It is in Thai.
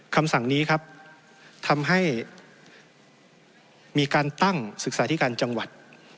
คำสั่งนี้ครับทำให้มีการตั้งศึกษาธิการจังหวัด